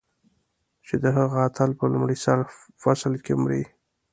چې د هغه اتل په لومړي فصل کې مري.